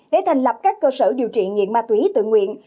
để thành lập các cơ sở điều trị nghiện ma túy tự nguyện